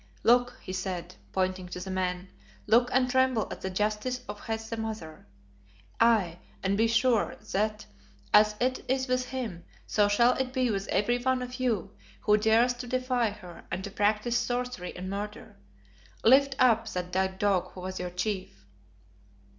"Look," he said, pointing to the man, "look and tremble at the justice of Hes the Mother. Aye, and be sure that as it is with him, so shall it be with every one of you who dares to defy her and to practise sorcery and murder. Lift up that dead dog who was your chief."